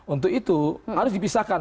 untuk itu harus dipisahkan